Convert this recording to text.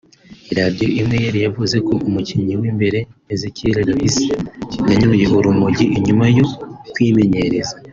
Iradio imwe yari yavuze ko umukinyi w’imbere Ezequiel Lavezzi yanyoye urumogi inyuma yo kwimenyereza